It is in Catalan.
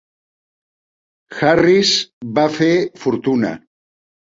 Harris va fer fortuna.